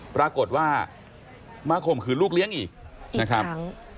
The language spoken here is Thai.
ปรากฏว่ามาข่มขืนลูกเลี้ยงอีกนะครับ